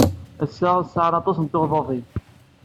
Ass-a, sɛan aṭas n tuɣdaḍin.